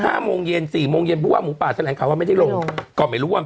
โมงเย็นสี่โมงเย็นผู้ว่าหมูป่าแถลงข่าวว่าไม่ได้ลงก็ไม่รู้ว่า